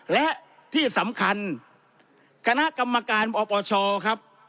และที่สำคัญคณะกรรมการปปชครับ